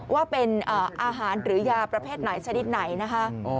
ว่าเป็นอาหารหรือยาประเภทไหนชนิดไหนนะคะ